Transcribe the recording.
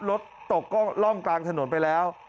รถตกร่องกลางถนนไปแล้ว